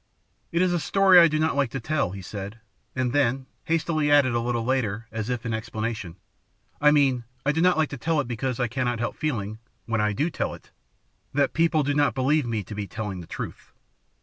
"It is a story I do not like to tell," he said, and then added hastily a little later, as if in explanation, "I mean I do not like to tell it because I cannot help feeling, when I do tell it, that people do not believe me to be telling the truth.